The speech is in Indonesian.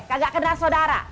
nggak kenal saudara